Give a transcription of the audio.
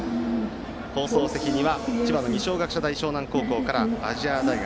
放送席には千葉の二松学舎大沼南高校から亜細亜大学。